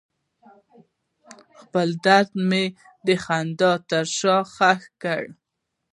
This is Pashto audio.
خپل درد مې د خندا تر شا ښخ کړ.